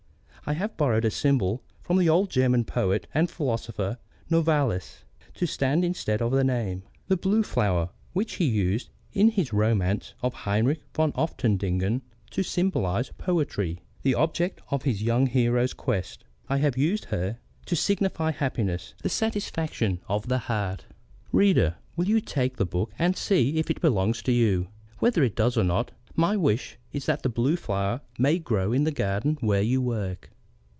I have borrowed a symbol from the old German poet and philosopher, Novalis, to stand instead of a name. The Blue Flower which he used in his romance of Heinrich von Ofterdingen to symbolise Poetry, the object of his young hero's quest, I have used here to signify happiness, the satisfaction of the heart. Reader, will you take the book and see if it belongs to you? Whether it does or not, my wish is that the Blue Flower may grow in the garden where you work.